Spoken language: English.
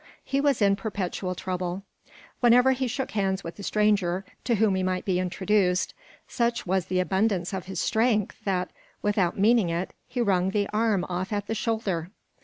He was in perpetual trouble; whenever he shook hands with a stranger, to whom he might be introduced, such was the abundance of his strength that, without meaning it he wrung his arm off at the shoulder.